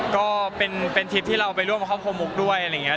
ก็เป็นทริปที่เราไปร่วมกับครอบครัวมุกด้วยอะไรอย่างนี้